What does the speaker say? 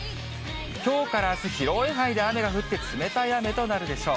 きょうからあす、広い範囲で雨が降って、冷たい雨となるでしょう。